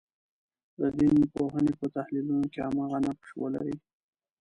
د دین پوهنې په تحلیلونو کې هماغه نقش ولري.